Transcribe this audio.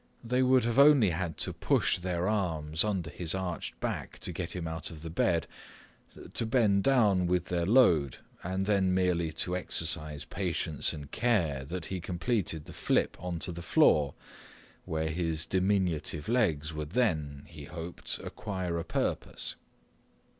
They would have only had to push their arms under his arched back to get him out of the bed, to bend down with their load, and then merely to exercise patience and care that he completed the flip onto the floor, where his diminutive legs would then, he hoped, acquire a purpose.